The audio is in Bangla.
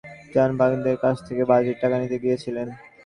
ট্রম্বোন বাদকের কাছ থেকে বাজির টাকা নিতে গিয়েছিলাম।